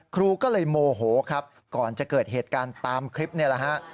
ครูก็เลยโมโหครับก่อนจะเกิดเหตุการณ์ตามคลิปนี่แหละฮะ